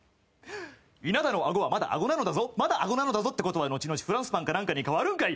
稲田のあごはまだあごなのだぞまだあごなのだぞってことは後々フランスパンか何かに変わるんかい！